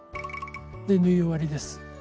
で縫い終わりです。